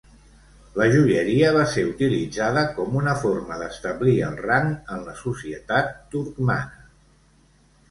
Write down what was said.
La joieria va ser utilitzada com una forma d'establir el rang en la societat turcmana.